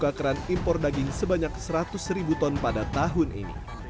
kebakaran impor daging sebanyak seratus ribu ton pada tahun ini